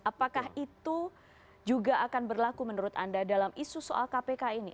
apakah itu juga akan berlaku menurut anda dalam isu soal kpk ini